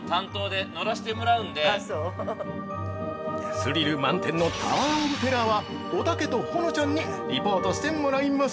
◆スリル満点の「タワー・オブ・テラー」は、おたけと保乃ちゃんにリポートしてもらいます！